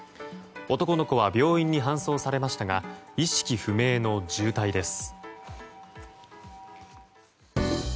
男の子は病院に搬送されましたが意識不明の重体です。